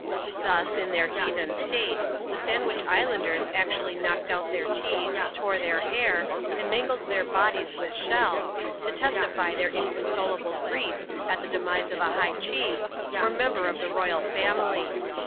Thus, in their heathen state, the Sandwich Islanders actually knocked out their teeth, tore their hair, and mangled their bodies with shells, to testify their inconsolable grief at the demise of a high chief, or member of the royal family.